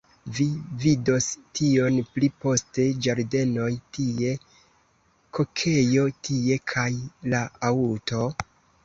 Vi vidos tion pli poste ĝardenoj tie, kokejo tie, kaj la aŭto...